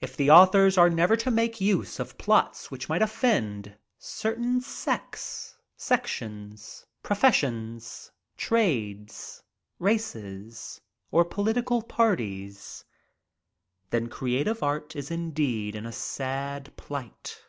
If the authors are never to make use of plots which might offend certain sects, sec tions, professions, trades, races or political parties, then creative art is indeed in a sad plight.